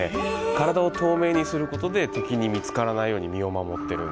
体を透明にすることで敵に見つからないように身を守ってるんです。